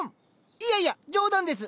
いやいや冗談です。